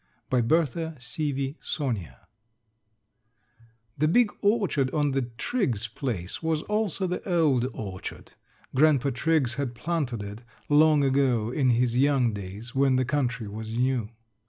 BY BERTHA SEAVEY SAUNIER. The big orchard on the Triggs place was also the old orchard. Grandpa Triggs had planted it long ago in his young days when the country was new.